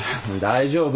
大丈夫。